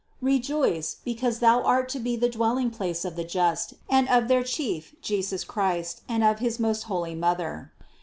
Rejoice, because thou art to be the THE CONCEPTION 115 dwelling place of the just, and of their Chief, Jesus Christ, and of his most holy Mother.